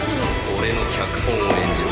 「俺の脚本を演じろ」